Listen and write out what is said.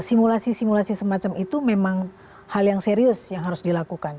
simulasi simulasi semacam itu memang hal yang serius yang harus dilakukan